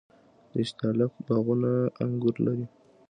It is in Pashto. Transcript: د استالف باغونه انګور لري.